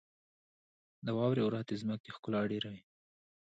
• د واورې اورښت د ځمکې ښکلا ډېروي.